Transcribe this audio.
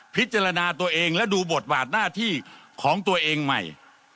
พิจารณาตัวเองและดูบทบาทหน้าที่ของตัวเองใหม่